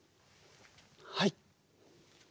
はい。